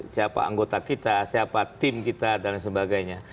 siapa anggota kita siapa tim kita dan sebagainya